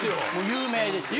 有名ですよね。